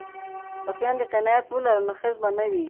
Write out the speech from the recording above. که خویندې قناعت ولري نو حرص به نه وي.